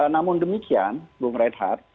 namun demikian bu meredhar